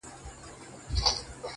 آثر د خپل یوه نظر وګوره ,